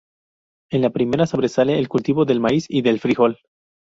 En la primera sobresale el cultivo del maíz y del frijol.